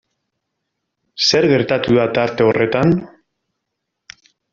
Zer gertatu da tarte horretan?